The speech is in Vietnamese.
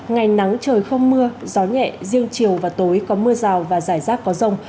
ngày nắng trời không mưa gió nhẹ riêng chiều và tối có mưa rào và rải rác có rông